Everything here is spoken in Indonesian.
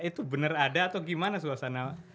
itu benar ada atau gimana suasana